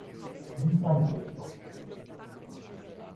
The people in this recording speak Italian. Di Francesco